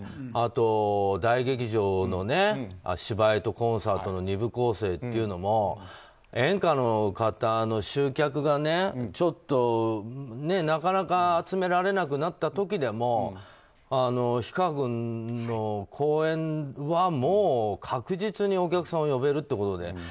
あと、大劇場の芝居とコンサートの２部構成というのも演歌の方の集客がちょっとなかなか集められなくなった時でも氷川君の公演はもう確実にお客さんを呼べるっていうことで。